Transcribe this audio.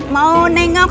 mau neneknya gayung